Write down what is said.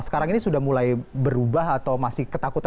sekarang ini sudah mulai berubah atau masih ketakutan